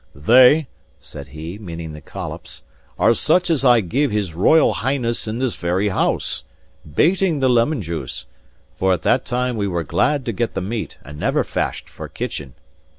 "They," said he, meaning the collops, "are such as I gave his Royal Highness in this very house; bating the lemon juice, for at that time we were glad to get the meat and never fashed for kitchen.